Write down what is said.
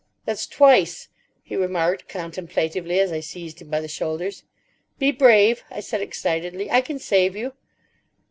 "That's twice," he remarked contemplatively, as I seized him by the shoulders. "Be brave," I said excitedly; "I can save you."